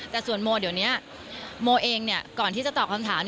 แต่ส่วนโมเดี๋ยวนี้โมเองก่อนที่จะตอบคำถาม